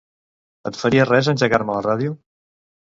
Et faria res engegar-me la ràdio?